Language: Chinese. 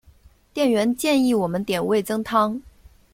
店员建议我们点味噌汤